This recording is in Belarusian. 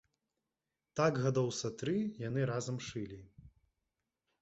Так гадоў са тры яны разам шылі.